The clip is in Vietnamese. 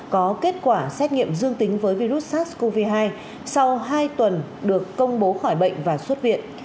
có kết quả xét nghiệm dương tính với virus sars cov hai sau hai tuần được công bố khỏi bệnh và xuất viện